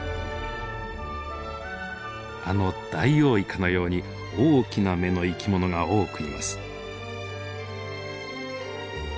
あのダイオウイカのように大きな目の生き物が多くいます。